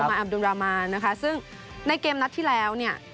อับดุลรามานนะคะซึ่งในเกมนัดที่แล้วเนี่ย